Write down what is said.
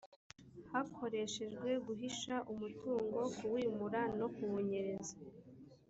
hakoreshejwe guhisha umutungo kuwimura no kuwunyereza